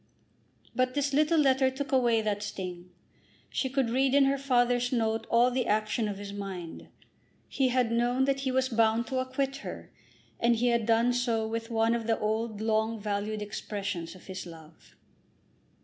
But this little letter took away that sting. She could read in her father's note all the action of his mind. He had known that he was bound to acquit her, and he had done so with one of the old long valued expressions of his love.